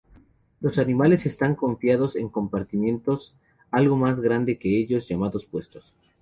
Los animales están confinados en compartimentos algo más grande que ellos, llamados puestos.